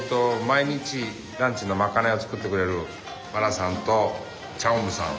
毎日ランチのまかないを作ってくれるマラさんとチャウムさん。